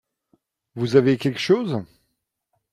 Vous avez quleque chose ?